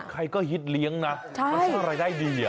ใครก็ฮิตเลี้ยงนะมันคืออะไรได้ดี